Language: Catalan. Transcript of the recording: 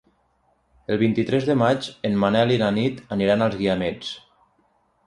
El vint-i-tres de maig en Manel i na Nit aniran als Guiamets.